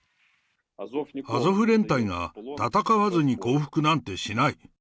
アゾフ連隊が戦わずに降伏なんてしない。